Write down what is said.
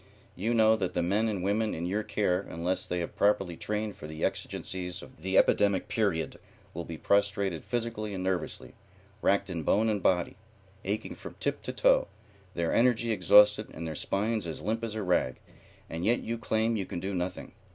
You know that the men and women in your care, unless they have properly trained for the exigencies of the epidemic period, will be prostrated physically and nervously, racked in bone and body, aching from tip to toe, their energy exhausted and their spines as limp as a rag, and yet you claim you can do nothing.